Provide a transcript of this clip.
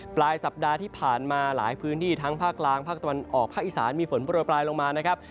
ปลายสัปดาห์ที่ผ่านมาหลายพื้นที่ทั้งภาคกลางภาคตะวันออกภาคอีสานมีฝนโปรยปลายลงมานะครับ